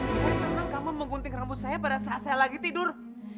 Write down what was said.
saya senang kamu menggunting rambut saya pada saat saya lagi tidur